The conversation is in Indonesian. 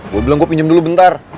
gue bilang gue pinjam dulu bentar